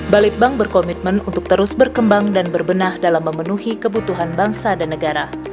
balitbank berkomitmen untuk terus berkembang dan berbenah dalam memenuhi kebutuhan bangsa dan negara